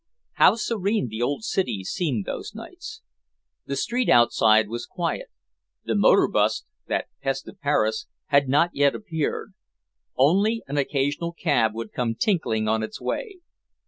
How serene the old city seemed those nights. The street outside was quiet. The motor 'bus, that pest of Paris, had not yet appeared. Only an occasional cab would come tinkling on its way.